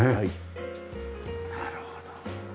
なるほど。